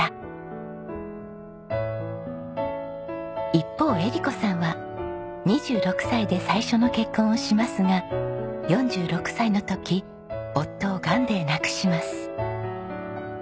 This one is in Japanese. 一方絵理子さんは２６歳で最初の結婚をしますが４６歳の時夫をがんで亡くします。